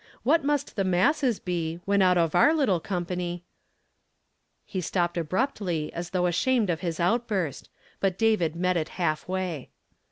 What must the masses be, when out of our little company "— He stopped abruptly as though ashamed of his outburst, but David met it half way.